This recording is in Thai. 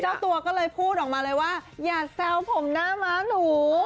เจ้าตัวก็เลยพูดออกมาเลยว่าอย่าแซวผมหน้าม้าหนู